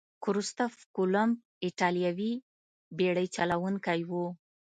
کرستف کولمب ایتالوي بیړۍ چلوونکی وو.